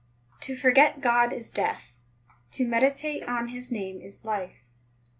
15 To forget God is death ; To meditate on His name is life.